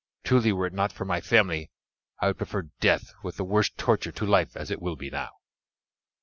Truly, were it not for my family, I would prefer death with the worst torture to life as it will be now."